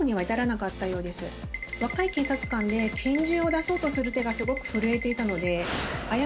若い警察官で拳銃を出そうとする手がすごく震えていたので。